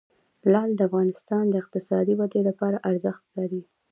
لعل د افغانستان د اقتصادي ودې لپاره ارزښت لري.